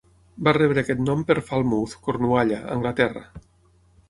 Va rebre aquest nom per Falmouth, Cornualla, Anglaterra.